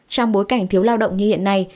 trong bối cảnh thiếu lao động như hiện nay